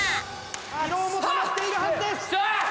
疲労もたまっているはずです！